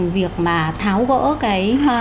việc mà tháo gỡ